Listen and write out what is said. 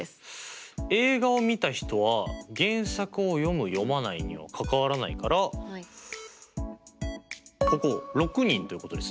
映画をみた人は原作を読む読まないにはかかわらないからここ６人ということですね。